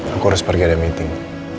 aku harus pergi ada meeting